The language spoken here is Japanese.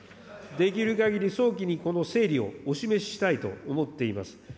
できるかぎり早期にこの整理をお示ししたいと思っています。